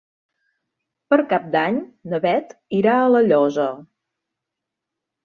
Per Cap d'Any na Bet irà a La Llosa.